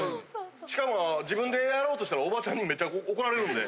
しかも自分でやろうとしたらおばちゃんにめっちゃ怒られるんで。